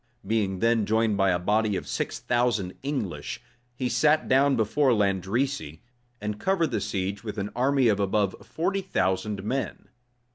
Being then joined by a body of six thousand English, he sat down before Landrecy, and covered the siege with an army of above forty thousand men.